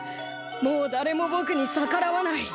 もうだれもぼくに逆らわない。